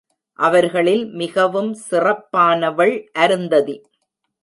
அவர்களில் மிகவும் சிறப்பானவள் அருந்ததி.